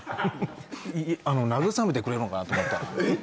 慰めてくれるのかなと思ったらええ！？